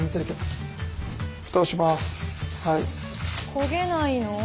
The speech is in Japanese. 焦げないの？